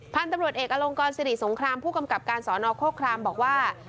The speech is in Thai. พันธุ์ตำรวจเอกอลงกรสิริสงครามผู้กำกับการสอนอโฆครามบอกว่า